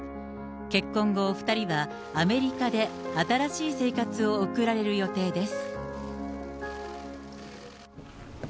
結婚後、お２人はアメリカで新しい生活を送られる予定です。